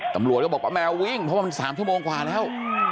ตำรวจก็บอกป้าแมววิ่งเพราะว่ามัน๓ชั่วโมงกว่าแล้ว